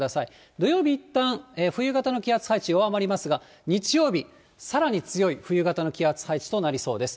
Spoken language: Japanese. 土曜日いったん冬型の気圧配置、弱まりますが、日曜日、さらに強い冬型の気圧配置となりそうです。